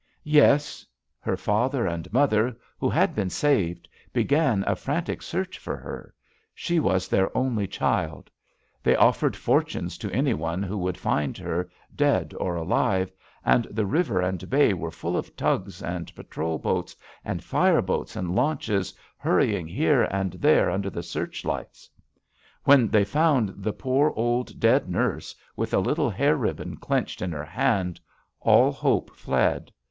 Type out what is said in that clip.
"Yes. Her father and mother, who had been saved, began a frantic search for her. She was their only child. They offered for tunes to any one who would find her, dead or alive, and the river and bay were full of tugs and patrol boats, and fire boats and launches JUST SWEETHEARTS hurrying here and there under the search lights. When they found the poor, old, dead nurse, with a little hair ribbon clenched in her hand, all hope fled.